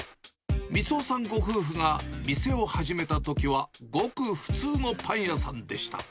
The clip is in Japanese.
三夫さんご夫婦が店を始めたときはごく普通のパン屋さんでした。